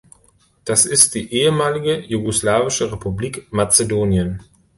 Das ist die ehemalige jugoslawische Republik Mazedonien.